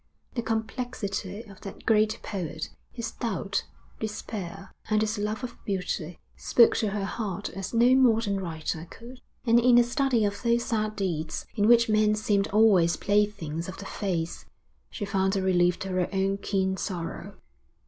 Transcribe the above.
The complexity of that great poet, his doubt, despair, and his love of beauty, spoke to her heart as no modern writer could; and in the study of those sad deeds, in which men seemed always playthings of the fates, she found a relief to her own keen sorrow.